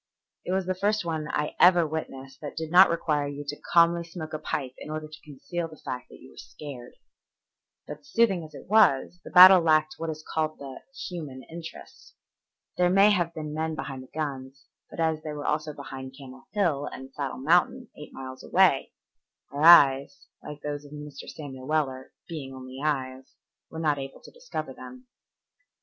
It was the first one I ever witnessed that did not require you to calmly smoke a pipe in order to conceal the fact that you were scared. But soothing as it was, the battle lacked what is called the human interest. There may have been men behind the guns, but as they were also behind Camel Hill and Saddle Mountain, eight miles away, our eyes, like those of Mr. Samuel Weller, "being only eyes," were not able to discover them.